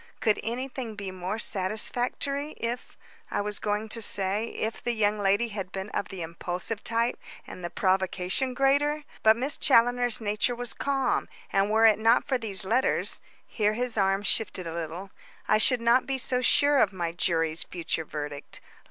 Could anything be more satisfactory if I was going to say, if the young lady had been of the impulsive type and the provocation greater. But Miss Challoner's nature was calm, and were it not for these letters " here his arm shifted a little "I should not be so sure of my jury's future verdict.